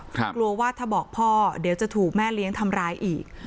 กลัวว่าถ้าบอกพ่อเดี๋ยวจะถูกแม่เลี้ยงทำร้ายอีก